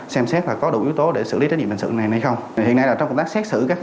xem xét có đủ yếu tố để xử lý trách nhiệm hình sự này hay không hiện nay trong công tác xét xử các